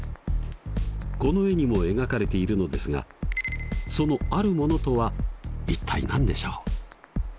この絵にも描かれているのですがその「あるもの」とは一体何でしょう？